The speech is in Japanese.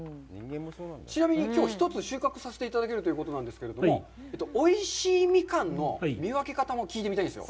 ちなみに、きょう１つ、収穫させていただけるということなんですけども、おいしいミカンの見分け方も聞いてみたいんですよ。